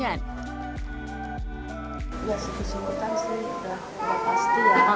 ya segi kesungguhan sih udah pasti ya